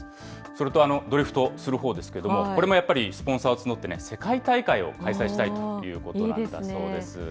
それとドリフトするほうですけれども、これもやっぱりスポンサーを募ってね、世界大会を開催したいいですね。